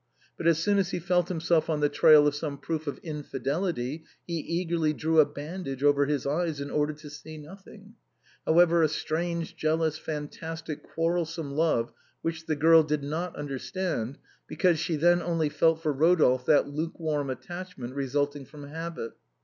But as soon as he felt himself on the trail of some proof of infidelity, he eagerly drew a bandage over his eyes in order to see noth ing. However, whatever might be the case, he worshipped Mimi. He felt for her a strange, jealous, fantastic, quarrel some love which the girl did not understand, because she then only felt for Eodolphe that lukewarm attachment re sulting from habit.